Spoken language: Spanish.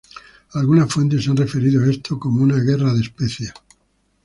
Algunas fuentes se han referido a esto como una "guerra de especias".